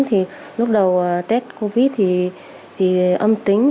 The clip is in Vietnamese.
thì lúc đầu test covid thì âm tính